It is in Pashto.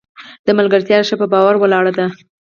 د ملګرتیا ریښه په باور ولاړه ده.